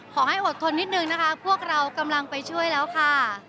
อดทนนิดนึงนะคะพวกเรากำลังไปช่วยแล้วค่ะ